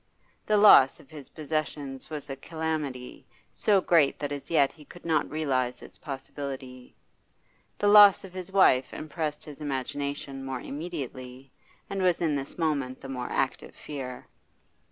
The loss of his possessions was a calamity so great that as yet he could not realise its possibility; the loss of his wife impressed his imagination more immediately, and was in this moment the more active fear.